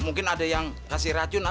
mungkin ada yang kasih racun